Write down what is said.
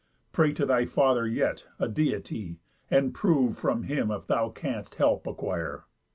Pray to thy Father yet, a Deity, And prove, from him if thou canst help acquire.